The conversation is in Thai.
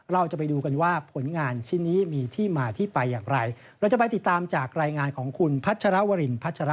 เราจะไปดูกันว่าผลงานชื่นนี้มีที่มาที่ไปอย่างไร